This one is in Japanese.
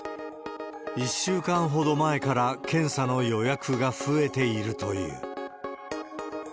１週間ほど前から検査の予約が増えているという。